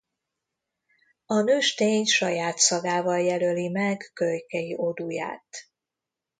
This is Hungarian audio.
A nőstény saját szagával jelöli meg kölykei odúját.